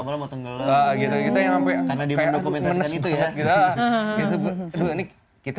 karena di mendokumentasikan itu ya